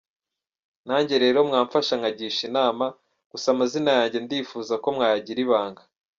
Nanjye rero mwamfasha nkagisha inama, gusa amazina yanjye ndifuza ko mwayagira ibanga.